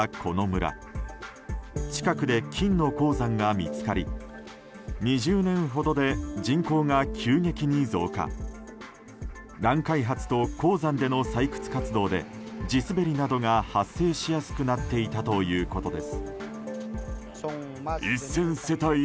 乱開発と鉱山での採掘活動で地滑りなどが発生しやすくなっていたということです。